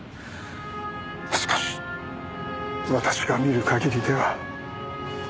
しかし私が見る限りでは。